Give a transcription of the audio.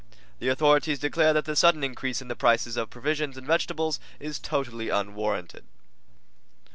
The authorities declare that the sudden increase in the prices of provisions and vegetables is totally unwarranted.